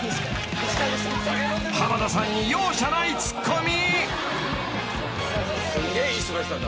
［濱田さんに容赦ないツッコミ］